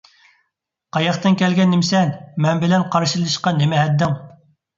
قاياقتىن كەلگەن نېمىسەن، مەن بىلەن قارشىلىشىشقا نېمە ھەددىڭ؟